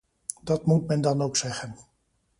Dat moet men dan ook zeggen.